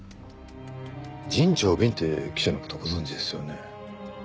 長敏って記者の事ご存じですよね？